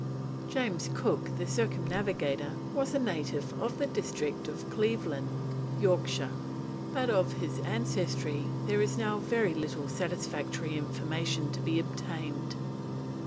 James Cook, the Circumnavigator, was a native of the district of Cleveland, Yorkshire, but of his ancestry there is now very little satisfactory information to be obtained.